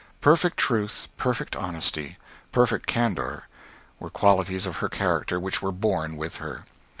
Perfect truth, perfect honesty, perfect candor, were qualities of her character which were born with her.